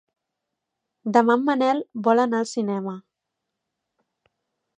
Demà en Manel vol anar al cinema.